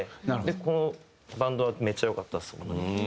このバンドはめっちゃ良かったですホンマに。